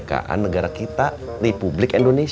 kang dadang dong